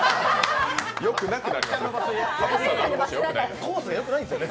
よくなくなりますね。